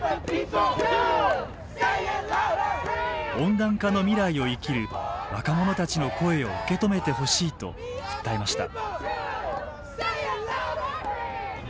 温暖化の未来を生きる若者たちの声を受け止めてほしいと訴えました。